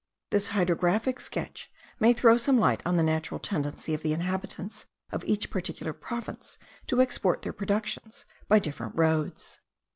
This hydrographic sketch may throw some light on the natural tendency of the inhabitants of each particular province, to export their productions by different roads.